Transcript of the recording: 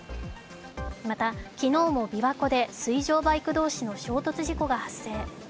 また、昨日もびわ湖で水上バイク同士の衝突事故が発生。